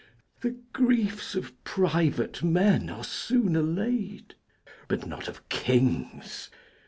The griefs of private men are soon allay'd; But not of kings.